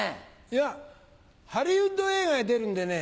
いやハリウッド映画に出るんでね